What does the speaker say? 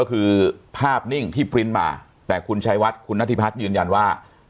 ก็คือภาพนิ่งที่ปริ้นต์มาแต่คุณชัยวัดคุณนัทธิพัฒน์ยืนยันว่า